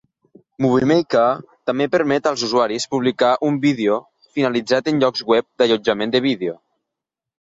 Movie Maker també permet als usuaris publicar un vídeo finalitzat en llocs web d'allotjament de vídeo.